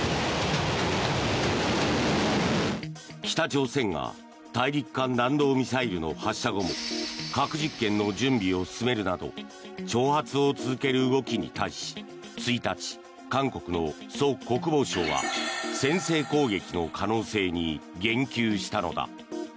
北朝鮮が大陸間弾道ミサイルの発射後も核実験の準備を進めるなど挑発を続ける動きに対し１日、韓国のソ国防相は先制攻撃の可能性に言及したのだ。